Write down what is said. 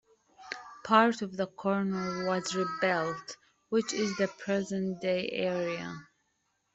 Part of the corner was rebuilt, which is the present day area.